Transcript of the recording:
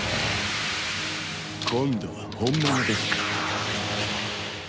今度は本物ですか。